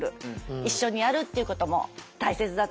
一緒にやるっていうことも大切だと思います。